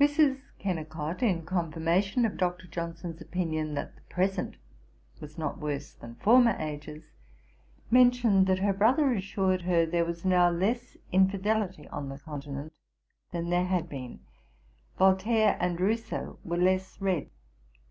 Mrs. Kennicot, in confirmation of Dr. Johnson's opinion, that the present was not worse than former ages, mentioned that her brother assured her, there was now less infidelity on the Continent than there had been; Voltaire and Rousseau were less read.